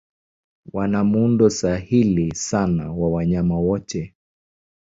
Wana muundo sahili sana wa wanyama wote.